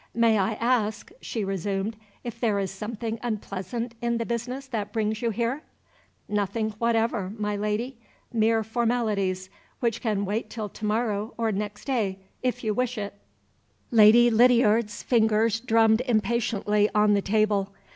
"May I ask," she resumed, "if there is something unpleasant in the business that brings you here?" "Nothing whatever, my Lady; mere formalities, which can wait till to morrow or next day, if you wish it." Lady Lydiard's fingers drummed impatiently on the table.